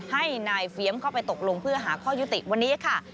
ให้นายเฟียมเข้าไปตกลงเพื่อหาข้อยุติวันนี้ค่ะ